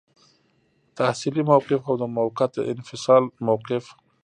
تحصیلي موقف او د موقت انفصال موقف.